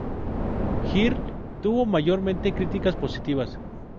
Girl tuvo mayormente críticas positivas.